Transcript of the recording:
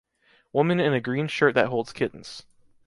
Woman in a green shirt that holds kittens.